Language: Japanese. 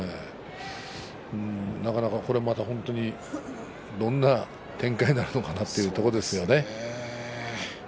なかなか、これまたどんな展開になるかというところですよね。